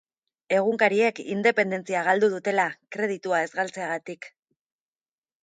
Egunkariek independentzia galdu dutela, kreditua ez galtzegatik.